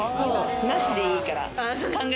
なしでいいから。